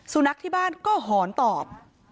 สุนัขที่บ้านก็หอนตอบ